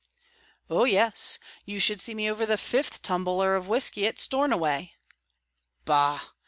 "Oh yes. You should see me over the fifth tumbler of whiskey at Stornoway." "Bah!